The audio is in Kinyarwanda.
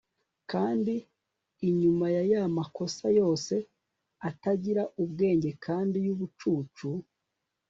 kandi inyuma yaya makosa yose atagira ubwenge kandi yubucucu